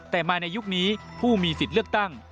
แต่มาในยุคนี้ผู้มีสิทธิ์เลือกตั้ง